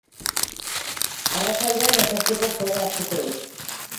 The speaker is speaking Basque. Arratsaldean atertzeko joera hartuko du.